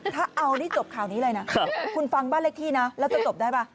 ถ้าเอานี่จบข่าวนี้เลยนะคุณฟังบ้านเลขที่นะแล้วจะจบได้ป่ะ